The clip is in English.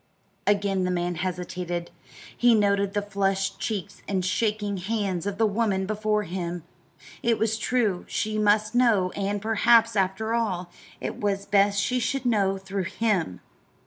Again the man hesitated. He noted the flushed cheeks and shaking hands of the woman before him. It was true, she must know; and perhaps, after all, it was best she should know through him.